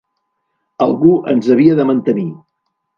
Algú ens havia de mantenir.